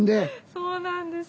そうなんです。